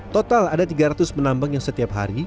total ada tiga ratus penambang yang setiap hari